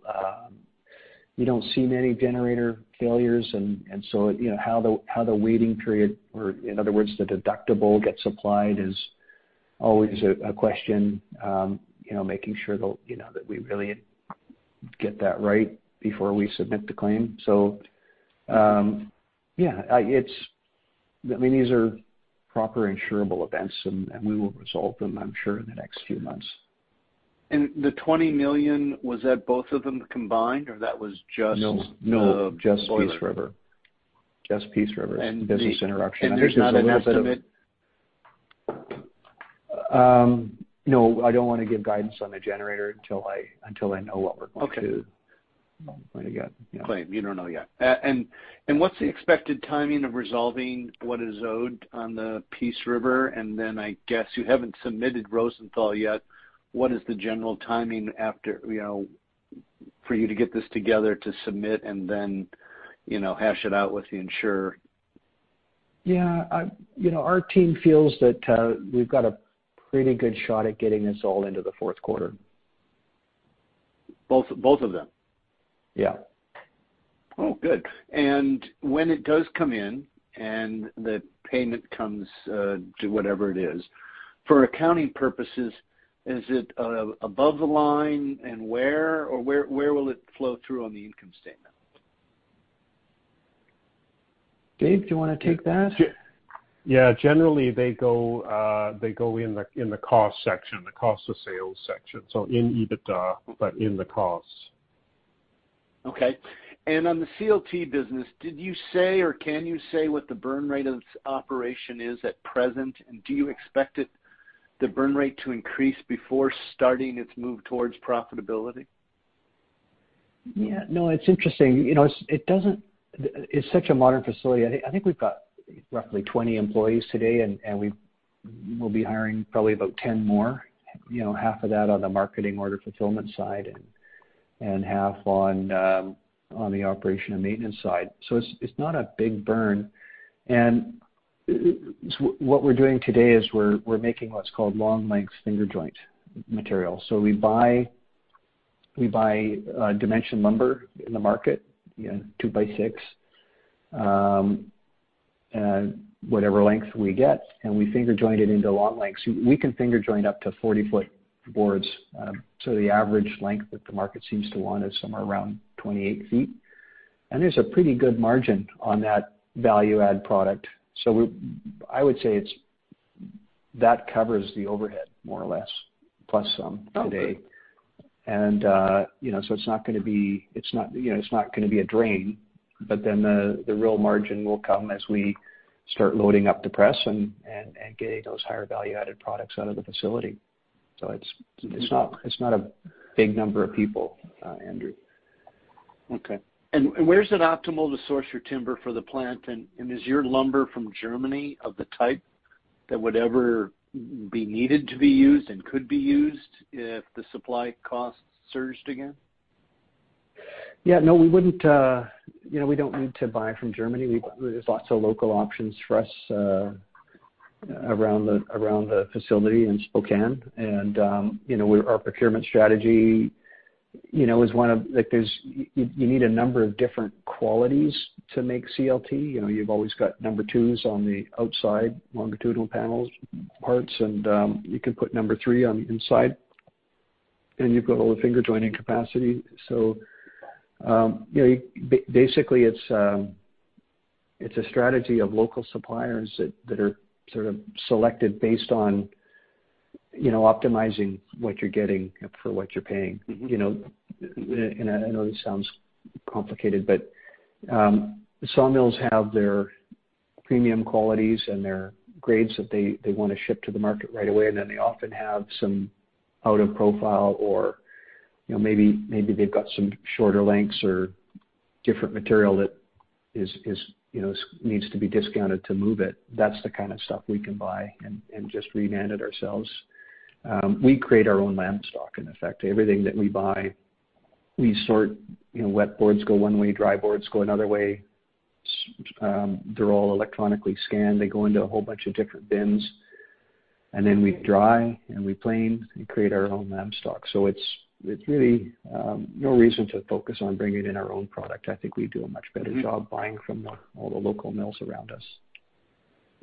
You don't see many generator failures. And so how the waiting period, or in other words, the deductible gets applied, is always a question, making sure that we really get that right before we submit the claim. So yeah, I mean, these are proper insurable events, and we will resolve them, I'm sure, in the next few months. And the $20 million, was that both of them combined, or that was just? No, just Peace River. Just Peace River's business interruption. And there's not enough of it? No, I don't want to give guidance on the generator until I know what we're going to. Okay. Claim. You don't know yet. And what's the expected timing of resolving what is owed on the Peace River? And then I guess you haven't submitted Rosenthal yet. What is the general timing for you to get this together to submit and then hash it out with the insurer? Yeah. Our team feels that we've got a pretty good shot at getting this all into the fourth quarter. Both of them? Yeah. Oh, good. And when it does come in and the payment comes to whatever it is, for accounting purposes, is it above the line? And where? Or where will it flow through on the income statement? Dave, do you want to take that? Yeah. Generally, they go in the cost section, the cost of sales section. So in EBITDA, but in the cost. Okay. And on the CLT business, did you say or can you say what the burn rate of its operation is at present? And do you expect the burn rate to increase before starting its move towards profitability? Yeah. No, it's interesting. It's such a modern facility. I think we've got roughly 20 employees today, and we'll be hiring probably about 10 more, half of that on the marketing order fulfillment side and half on the operation and maintenance side. So it's not a big burn. And what we're doing today is we're making what's called long-length finger-jointed material. So we buy dimension lumber in the market, 2x6, whatever length we get, and we finger-joint it into long lengths. We can finger-joint up to 40-foot boards. So the average length that the market seems to want is somewhere around 28 feet. And there's a pretty good margin on that value-add product. So I would say that covers the overhead, more or less, plus some today. And so it's not going to be a drain, but then the real margin will come as we start loading up the press and getting those higher value-added products out of the facility. So it's not a big number of people, Andrew. Okay. And where is it optimal to source your timber for the plant? And is your lumber from Germany of the type that would ever be needed to be used and could be used if the supply costs surged again? Yeah. No, we don't need to buy from Germany. There's lots of local options for us around the facility in Spokane. And our procurement strategy is one of you need a number of different qualities to make CLT. You've always got number twos on the outside longitudinal panels parts, and you can put number three on the inside, and you've got all the finger jointing capacity. So basically, it's a strategy of local suppliers that are sort of selected based on optimizing what you're getting for what you're paying. And I know this sounds complicated, but sawmills have their premium qualities and their grades that they want to ship to the market right away. And then they often have some out-of-profile or maybe they've got some shorter lengths or different material that needs to be discounted to move it. That's the kind of stuff we can buy and just reman it ourselves. We create our own lumber stock, in effect. Everything that we buy, we sort. Wet boards go one way, dry boards go another way. They're all electronically scanned. They go into a whole bunch of different bins, and then we dry and we plane and create our own lumber stock. So it's really no reason to focus on bringing in our own product. I think we do a much better job buying from all the local mills around us.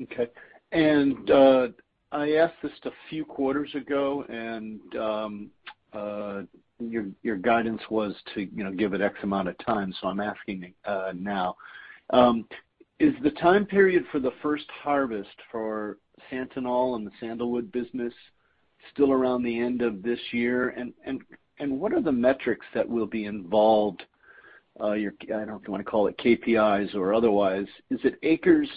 Okay, and I asked this a few quarters ago, and your guidance was to give it some amount of time. So I'm asking now, is the time period for the first harvest for Santanol and the sandalwood business still around the end of this year? And what are the metrics that will be involved? I don't know if you want to call it KPIs or otherwise. Is it acres,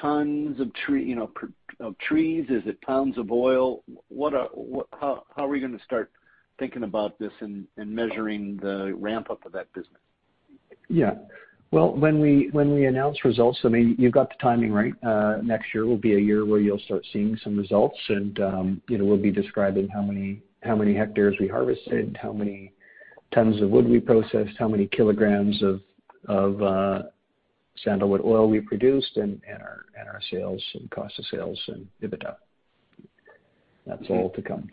tons of trees? Is it pounds of oil? How are we going to start thinking about this and measuring the ramp-up of that business? Yeah. When we announce results, I mean, you've got the timing, right? Next year will be a year where you'll start seeing some results. We'll be describing how many hectares we harvested, how many tons of wood we processed, how many kilograms of sandalwood oil we produced, and our sales and cost of sales and EBITDA. That's all to come.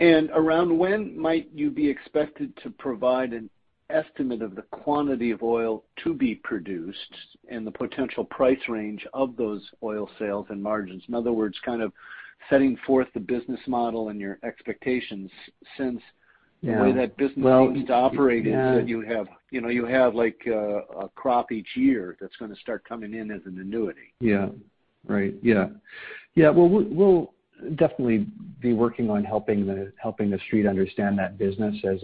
Around when might you be expected to provide an estimate of the quantity of oil to be produced and the potential price range of those oil sales and margins? In other words, kind of setting forth the business model and your expectations since the way that business needs to operate is that you have a crop each year that's going to start coming in as an annuity. Yeah. Right. Yeah. Yeah. We'll definitely be working on helping the Street understand that business as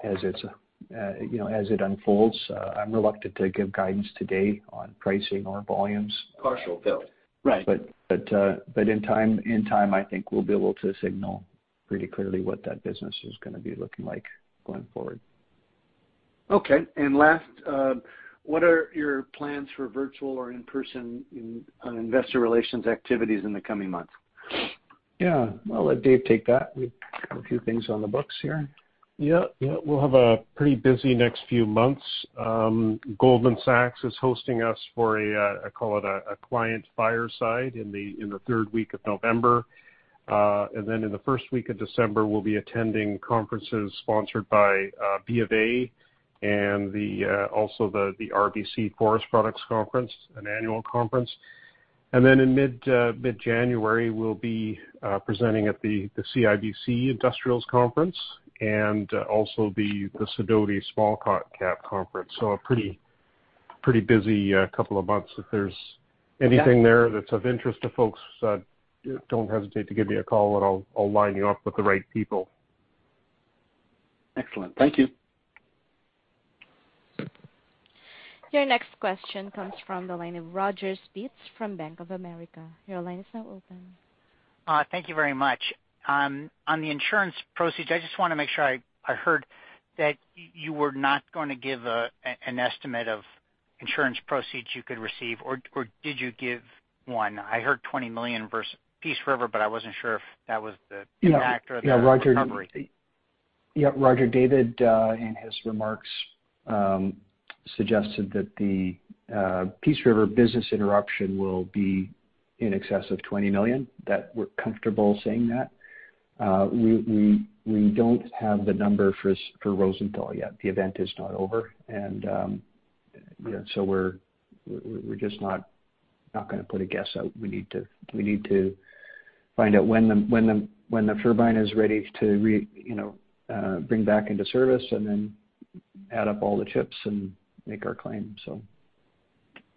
it unfolds. I'm reluctant to give guidance today on pricing or volumes. Partial build. Right. But in time, I think we'll be able to signal pretty clearly what that business is going to be looking like going forward. Okay. And last, what are your plans for virtual or in-person investor relations activities in the coming months? Yeah. Well, let Dave take that. We have a few things on the books here. Yeah. Yeah. We'll have a pretty busy next few months. Goldman Sachs is hosting us for, I call it, a client fireside in the third week of November. And then in the first week of December, we'll be attending conferences sponsored by BofA and also the RBC Forest Products Conference, an annual conference. And then in mid-January, we'll be presenting at the CIBC Industrials Conference and also the Stifel Nicolaus Small Cap Conference. So a pretty busy couple of months. If there's anything there that's of interest to folks, don't hesitate to give me a call, and I'll line you up with the right people. Excellent. Thank you. Your next question comes from the line of Roger Spitz from Bank of America. Your line is now open. Thank you very much. On the insurance proceeds, I just want to make sure I heard that you were not going to give an estimate of insurance proceeds you could receive, or did you give one? I heard $20 million versus Peace River, but I wasn't sure if that was the FM or the recovery. Yeah, Roger. David and his remarks suggested that the Peace River business interruption will be in excess of $20 million, that we're comfortable saying that. We don't have the number for Rosenthal yet. The event is not over. So we're just not going to put a guess out. We need to find out when the turbine is ready to bring back into service and then add up all the chips and make our claim, so.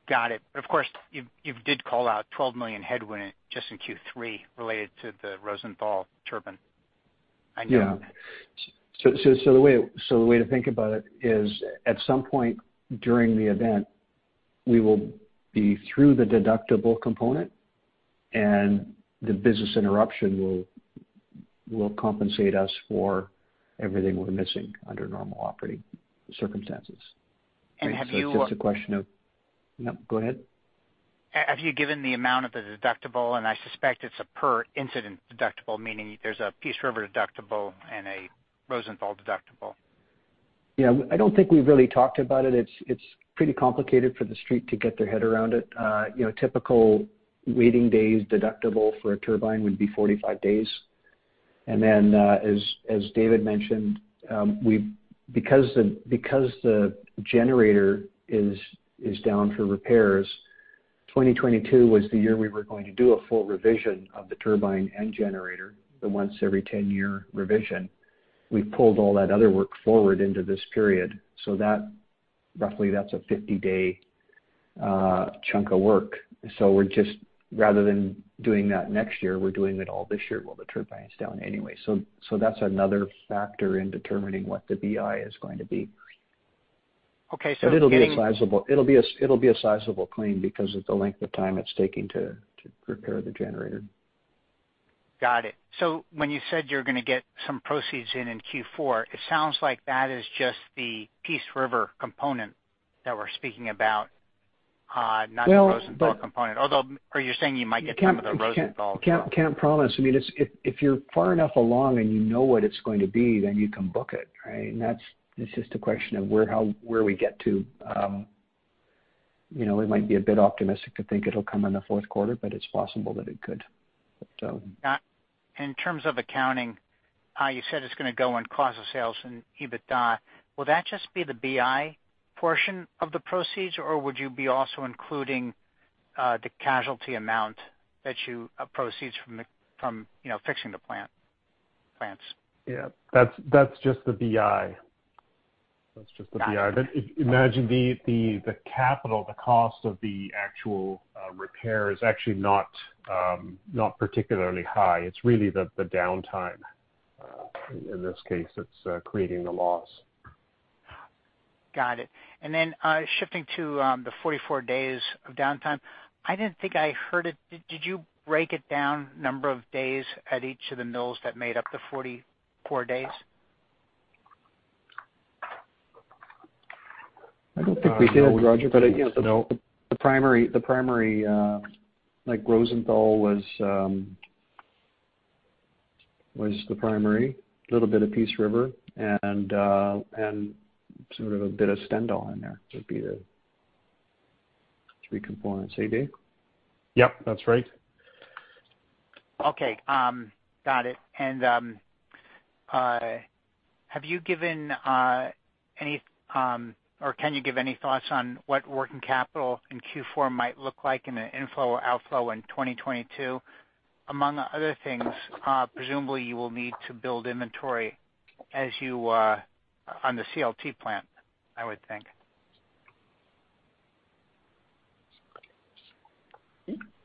Got it. But of course, you did call out $12 million headwind just in Q3 related to the Rosenthal turbine. I know. Yeah. So the way to think about it is, at some point during the event, we will be through the deductible component, and the business interruption will compensate us for everything we're missing under normal operating circumstances. And have you. If it's a question of. No, go ahead. Have you given the amount of the deductible? And I suspect it's a per incident deductible, meaning there's a Peace River deductible and a Rosenthal deductible. Yeah. I don't think we've really talked about it. It's pretty complicated for the Street to get their head around it. Typical waiting days deductible for a turbine would be 45 days. As David mentioned, because the generator is down for repairs, 2022 was the year we were going to do a full revision of the turbine and generator, the once every 10-year revision. We've pulled all that other work forward into this period. Roughly, that's a 50-day chunk of work. Rather than doing that next year, we're doing it all this year. The turbine is down anyway. That's another factor in determining what the BI is going to be. It'll be a sizable claim because of the length of time it's taking to repair the generator. Got it. So when you said you're going to get some proceeds in Q4, it sounds like that is just the Peace River component that we're speaking about, not the Rosenthal component. Or you're saying you might get some of the Rosenthal? Can't promise. I mean, if you're far enough along and you know what it's going to be, then you can book it, right? And that's just a question of where we get to. We might be a bit optimistic to think it'll come in the fourth quarter, but it's possible that it could, so. In terms of accounting, you said it's going to go on cost of sales and EBITDA. Will that just be the BI portion of the proceeds, or would you be also including the casualty amount, the proceeds from fixing the plants? Yeah. That's just the BI. That's just the BI. But imagine the capital, the cost of the actual repair is actually not particularly high. It's really the downtime. In this case, it's creating the loss. Got it. And then shifting to the 44 days of downtime, I didn't think I heard it. Did you break it down, number of days at each of the mills that made up the 44 days? I don't think we did, Roger, but the primary Rosenthal was the primary, a little bit of Peace River, and sort of a bit of Stendal in there. That would be the three components, A.D.? Yep. That's right. Okay. Got it. And have you given any or can you give any thoughts on what working capital in Q4 might look like in an inflow or outflow in 2022? Among other things, presumably, you will need to build inventory on the CLT plant, I would think.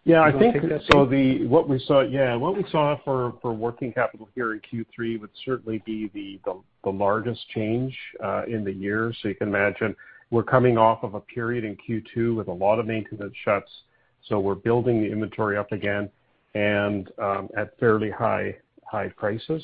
Yeah. What we saw for working capital here in Q3 would certainly be the largest change in the year. So you can imagine we're coming off of a period in Q2 with a lot of maintenance shuts. So we're building the inventory up again and at fairly high prices.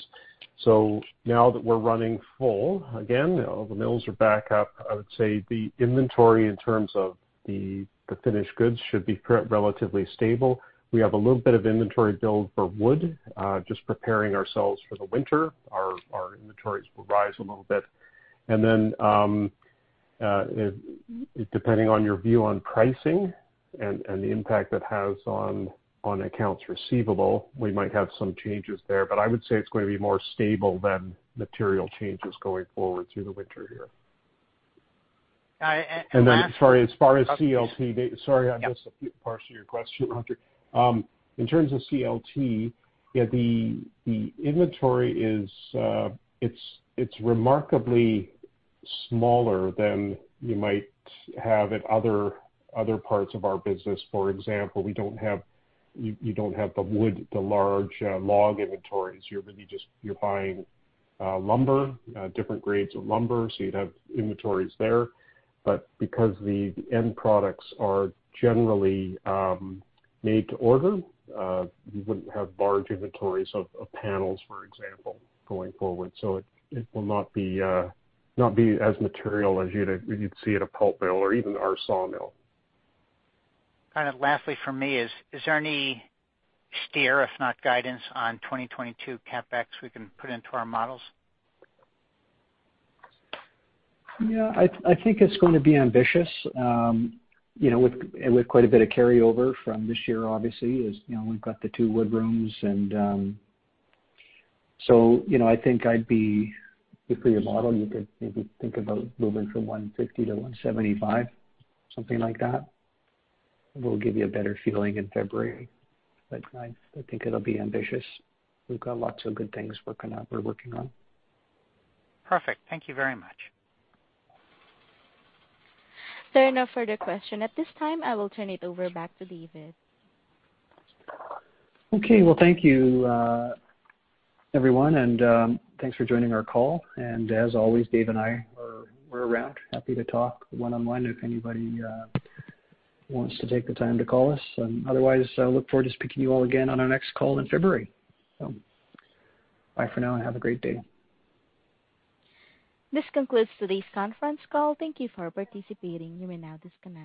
So now that we're running full again, all the mills are back up. I would say the inventory in terms of the finished goods should be relatively stable. We have a little bit of inventory build for wood, just preparing ourselves for the winter. Our inventories will rise a little bit. And then depending on your view on pricing and the impact that has on accounts receivable, we might have some changes there. But I would say it's going to be more stable than material changes going forward through the winter here. Then as far as CLT, sorry, I missed a few parts of your question, Roger. In terms of CLT, yeah, the inventory is remarkably smaller than you might have at other parts of our business. For example, you don't have the wood, the large log inventories. You're buying lumber, different grades of lumber. So you'd have inventories there. But because the end products are generally made to order, you wouldn't have large inventories of panels, for example, going forward. So it will not be as material as you'd see at a pulp mill or even our sawmill. Kind of lastly for me is there any steer, if not guidance, on 2022 CapEx we can put into our models? Yeah. I think it's going to be ambitious with quite a bit of carryover from this year, obviously, as we've got the two wood rooms. And so I think I'd be—if we're modeling, you could maybe think about moving from 150 to 175, something like that. We'll give you a better feeling in February. But I think it'll be ambitious. We've got lots of good things we're working on. Perfect. Thank you very much. There are no further questions. At this time, I will turn it over back to David. Okay. Well, thank you, everyone. And thanks for joining our call. And as always, Dave and I are around, happy to talk one-on-one if anybody wants to take the time to call us. Otherwise, I look forward to speaking to you all again on our next call in February. So bye for now, and have a great day. This concludes today's conference call. Thank you for participating. You may now disconnect.